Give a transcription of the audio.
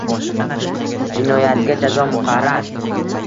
Jinoyatga jazo muqarrar